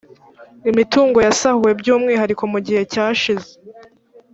imitungo yasahuwe by umwihariko mu gihe cyashize